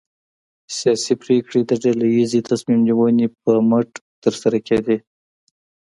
سیاسي پرېکړې د ډله ییزې تصمیم نیونې پر مټ ترسره کېدې.